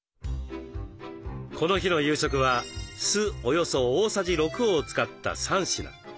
この日の夕食は酢およそ大さじ６を使った３品。